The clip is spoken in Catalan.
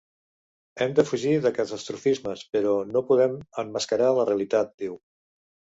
“Hem de fugir de catastrofismes, però no podem emmascarar la realitat”, diu.